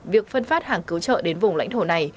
việc phân phát hàng cứu trợ đến vùng lãnh thổ này